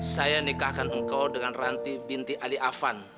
saya nikahkan engkau dengan ranti binti ali afan